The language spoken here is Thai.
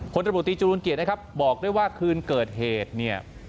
คนธรรมดีจุฬุลเกียจนะครับบอกด้วยว่าคืนเกิดเหตุเนี่ย